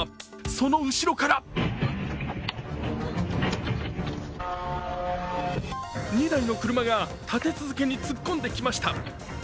その後ろから２台の車が立て続けに突っ込んできました。